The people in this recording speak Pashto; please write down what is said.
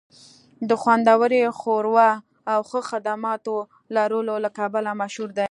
د خوندورې ښوروا او ښه خدماتو لرلو له کبله مشهور دی